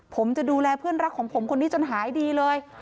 ผมจะดูแลเพื่อนรักของผมคนนี้จนหายดีเลย